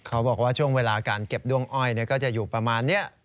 เขาบอกว่าช่วงเวลาการเก็บด้วงอ้อยก็จะอยู่ประมาณนี้